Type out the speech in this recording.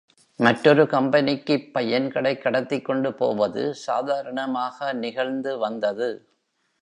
மற்றொரு கம்பெனிக்குப் பையன்களைக் கடத்திக் கொண்டுபோவது சாதாரணமாக நிகழ்ந்து வந்தது.